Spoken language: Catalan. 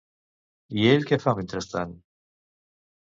I ell què fa mentrestant?